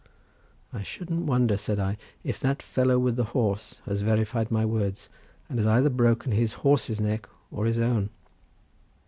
"I shouldn't wonder," said I, "if that fellow with the horse has verified my words, and has either broken his horse's neck or his own.